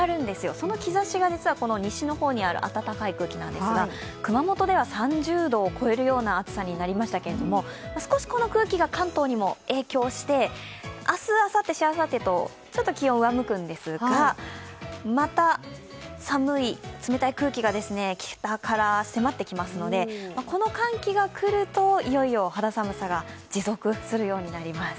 その兆しが実はこの西の方にある暖かい空気なんですが熊本では３０度を超えるような暑さになりましたけれども、少しこの空気が関東にも影響して明日、あさって、しあさってとちょっと気温、上向くんですが、また冷たい空気が北から迫ってきますので、この寒気が来るといよいよ肌寒さが持続するようになります。